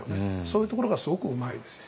そういうところがすごくうまいです。